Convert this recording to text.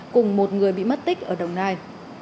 cùng một người bị mất tích ở đồng nai